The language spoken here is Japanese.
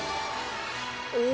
お！